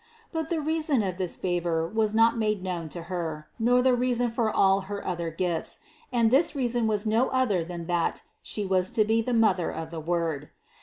But the reason of this favor was not made known to Her, nor the reason for all her other gifts, and this reason was no other than that She was to be the Mother of the Word.